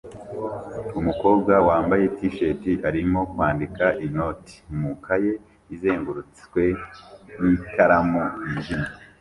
Umukobwa wambaye t-shirt arimo kwandika inoti mu ikaye izengurutswe n'ikaramu yijimye